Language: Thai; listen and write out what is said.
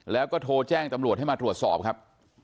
แล้วก็โทรแจ้งตำรวจให้มาตรวจสอบครับ